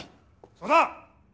そうだ！